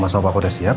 mama sama pak udah siap